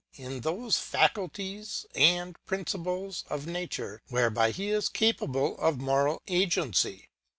in those faculties and principles of nature whereby He is capable of moral agency.